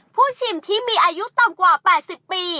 ชิมที่มีอายุต่ำกว่า๘๐ปี